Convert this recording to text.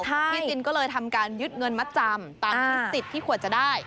พี่จินก็เลยทำการยึดเงินมัดจำตามที่สิทธิ์ที่ควรจะได้